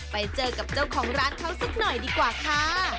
ไปเจอกับเจ้าของร้านเขาสักหน่อยดีกว่าค่ะ